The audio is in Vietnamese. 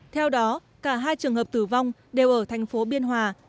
theo đó cả hai trường hợp tử vong đều ở thành phố biên hòa